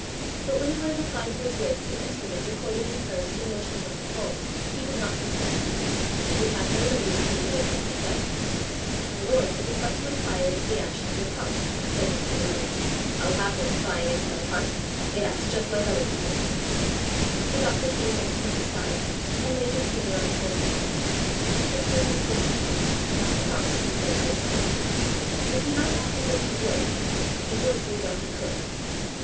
But when he would have applied to his wrist an instrument recording in curves the motions of the pulse, he would not consent. He would have no liberties taken with him, he said. "My lord, it is but to inquire into the action of your heart," said Mr. Avory. "I'll have no spying into my heart! It acts just like other people's!" The doctor put his instrument aside, and laid his finger on the pulse instead: his business was to help, not to conquer, he said to himself: if he might not do what he would, he would do what he could.